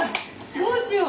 どうしよう。